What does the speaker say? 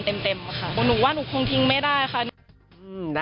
เหมือนเดิมค่ะเหมือนเดิม